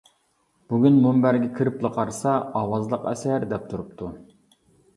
بۈگۈن مۇنبەرگە كىرىپلا قارىسا ئاۋازلىق ئەسەر دەپ تۇرۇپتۇ.